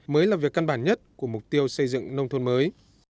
mới là việc căn bản nhất của mục tiêu xây dựng nông thôn mới